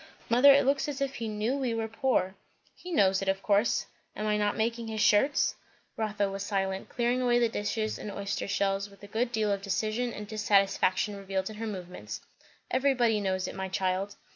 "Mother, it looks as if he knew we were poor." "He knows it, of course. Am I not making his shirts?" Rotha was silent, clearing away the dishes and oyster shells with a good deal of decision and dissatisfaction revealed in her movements. "Everybody knows it, my child."